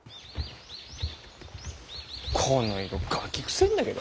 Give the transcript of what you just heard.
この色ガキくせえんだけど。